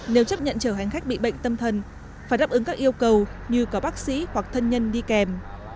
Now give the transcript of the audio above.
nếu chấp nhận chở hành khách bị bệnh tâm thần phải đáp ứng các yêu cầu như có bác sĩ hoặc thân nhân đi kèm